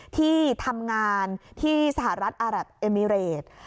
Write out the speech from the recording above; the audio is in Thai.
ที่ทำงานที่สหรัฐอารับเอมิเรต